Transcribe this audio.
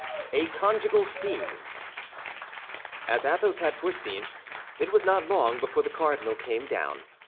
A CONJUGAL SCENE As Athos had foreseen, it was not long before the cardinal came down.